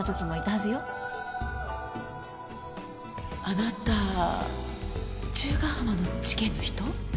あなた十ヶ浜の事件の人？